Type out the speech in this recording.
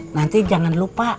nanti jangan lupa